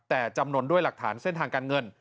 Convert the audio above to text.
แต่จำนวนด้วยหลักฐานเส้นทางการเงิน